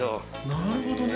なるほどね！